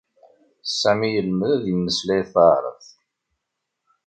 Sami yelmed ad immeslay taɛṛabt..